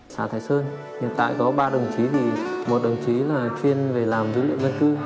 xã thái sơn hiện tại có ba đồng chí thì một đồng chí là chuyên về làm dữ liệu dân cư